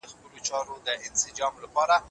شریف د خپل زوی کتابونه په بکس کې کېښودل.